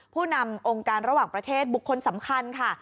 ผู้นำองค์การระหว่างประเทศบุคคลสำคัญค่ะ